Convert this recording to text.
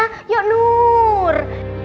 di daca ya yuk nur